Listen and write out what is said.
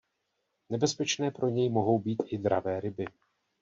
Nebezpečné pro něj mohou být i dravé ryby.